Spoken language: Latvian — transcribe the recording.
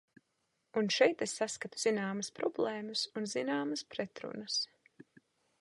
Un šeit es saskatu zināmas problēmas un zināmas pretrunas.